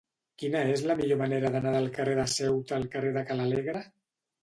Quina és la millor manera d'anar del carrer de Ceuta al carrer de Ca l'Alegre?